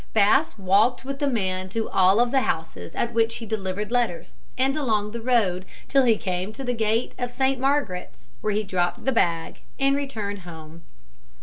Bass walked with the man to all the houses at which he delivered letters, and along the road, till he came to the gate of Saint Margaret's, where he dropped the bag and returned home.